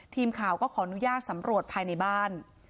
ทีมข่าวก็ขออนุญาตสำรวจภายในบ้าน